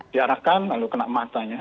diarahkan lalu kena matanya